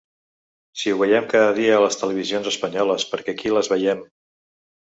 Si ho veiem cada dia a les televisions espanyoles, perquè aquí les veiem.